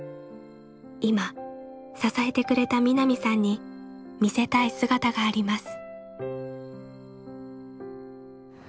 今支えてくれた望奈未さんに見せたい姿があります。